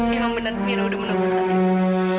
emang benar mira udah menolak tas itu